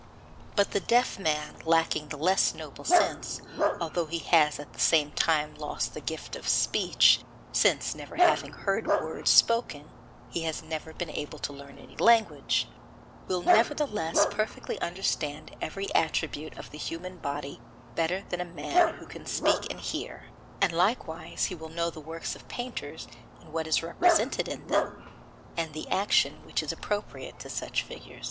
But the deaf man, lacking the less noble sense, although he has at the same time lost the gift of speech, since never having heard words spoken he never has been able to learn any language, will nevertheless perfectly understand every attribute of the human body better than a man who can speak and hear; and likewise he will know the works of painters and what is represented in them, and the action which is appropriate to such figures.